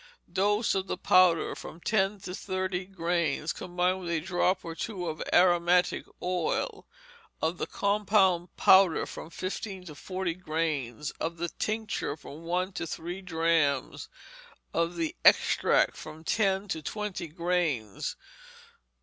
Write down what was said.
Dose, of the powder, from ten to thirty grains, combined with a drop or two of aromatic oil; of the compound powder, from fifteen to forty grains; of the tincture, from one to three drachms; of the extract, from ten to twenty grains.